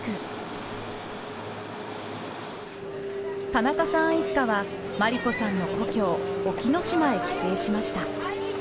田中さん一家は真理子さんの故郷沖の島へ帰省しました。